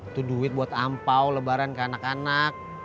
itu duit buat ampau lebaran ke anak anak